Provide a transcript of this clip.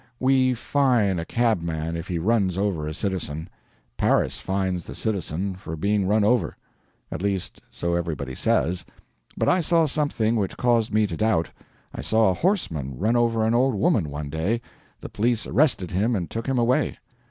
We fine a cabman if he runs over a citizen; Paris fines the citizen for being run over. At least so everybody says but I saw something which caused me to doubt; I saw a horseman run over an old woman one day the police arrested him and took him away.